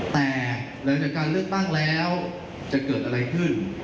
แต่ในการเลือกตั้งอะไรจะเกิดขึ้น